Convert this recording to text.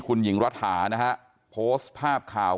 คุณหญิงรัทหาโพสต์ภาพข่าว